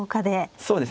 そうですね。